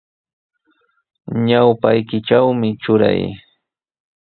Ñawpaykitrawmi truray.